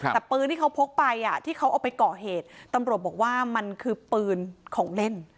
แต่ปืนที่เขาพกไปที่เขาเอาไปก่อเหตุตำรวจบอกว่ามันคือปืนของเล่น